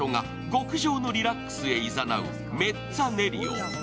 極上のリラックスへ誘う、メッツァネリオ。